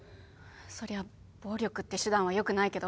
そりゃ暴力って手段はよくないけど。